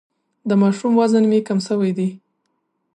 د ماشوم وزن مي کم سوی دی.